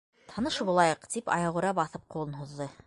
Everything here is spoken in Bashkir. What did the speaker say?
— Таныш булайыҡ, — тип аяғүрә баҫып, ҡулын һуҙҙы.